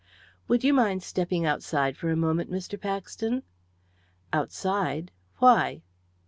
"Would you mind stepping outside for a moment, Mr. Paxton?" "Outside? Why?"